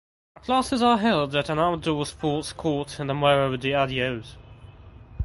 The classes are held at an outdoor sports court in the Morro do Adeus.